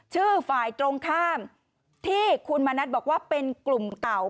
ฝ่ายตรงข้ามที่คุณมณัฐบอกว่าเป็นกลุ่มเก่า